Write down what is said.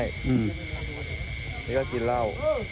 นี่ก็กินเหล้า